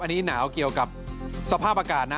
อันนี้หนาวเกี่ยวกับสภาพอากาศนะ